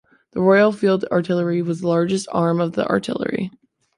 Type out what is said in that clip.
The Royal Field Artillery was the largest arm of the artillery.